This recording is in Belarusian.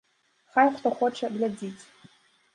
Хай, хто хоча, глядзіць.